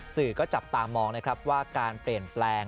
สื่อก็จับตามองนะครับว่าการเปลี่ยนแปลง